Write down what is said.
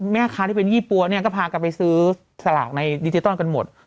แม่ค้าที่เป็น๒๐ปัวก็พากลับไปซื้อสลากในดิจิตอลกันหมด